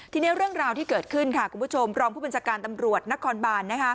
ทีนี้เรื่องราวที่เกิดขึ้นค่ะคุณผู้ชมรองผู้บัญชาการตำรวจนครบาน